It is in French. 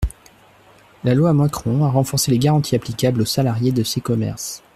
La loi Macron a renforcé les garanties applicables aux salariés de ces commerces.